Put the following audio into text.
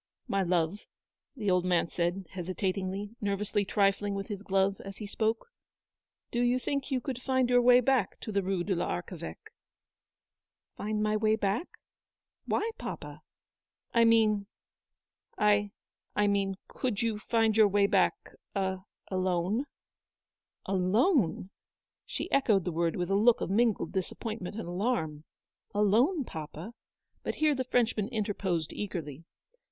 "My love," the old man said, hesitatingly, UPON THE THRESHOLD OF A GREAT SORROW. 89 nervously trifling with his glove as he spoke :" do you think you could find your way back to the Rue de PArcheveque ? n " Find ray way back ? "Why, papa ?"" I — I mean, could you find your way back a — alone." " Alone !" She echoed the word with a look of mingled disappointment and alarm. " Alone, papa ?" But here the Frenchman interposed eagerly.